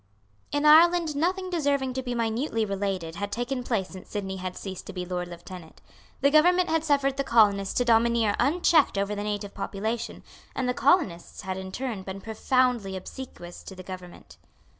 In Ireland nothing deserving to be minutely related had taken place since Sidney had ceased to be Lord Lieutenant. The government had suffered the colonists to domineer unchecked over the native population; and the colonists had in return been profoundly obsequious to the government.